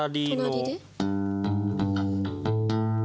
隣で。